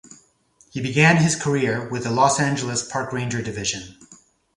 He began his career with the Los Angeles Park Ranger Division.